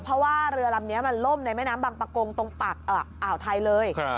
เพราะว่าเรือลำนี้มันล่มในแม่น้ำบังปะโกงตรงปากอ่าวไทยเลย